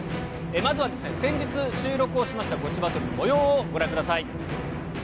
まずは先日、収録をしましたゴチバトルのもようをご覧ください。